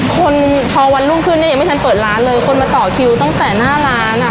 คนพอวันรุ่งขึ้นเนี่ยยังไม่ทันเปิดร้านเลยคนมาต่อคิวตั้งแต่หน้าร้านอ่ะ